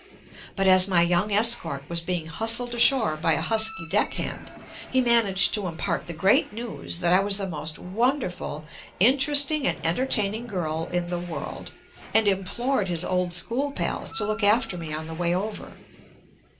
But as my young escort was being hustled ashore by a husky deck hand, he managed to impart the great news that I was the most won derful, interesting and entertaining girl in the world and implored his old school pals to look after me on the way over.